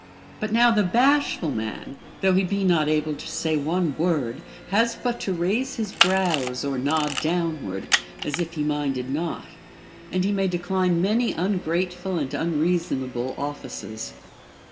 But now the bashful man, though he be notable to say one word, has but to raise his brows or nod down ward, as if he minded not, and he may decline many ungrateful and unreasonable offices.